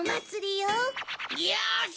よし！